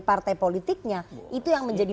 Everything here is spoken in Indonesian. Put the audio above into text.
partai politiknya itu yang menjadi